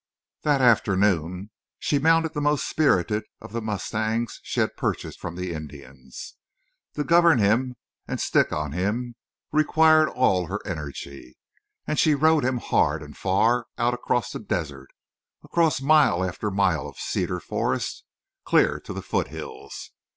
That afternoon she mounted the most spirited of the mustangs she had purchased from the Indians. To govern him and stick on him required all her energy. And she rode him hard and far, out across the desert, across mile after mile of cedar forest, clear to the foothills.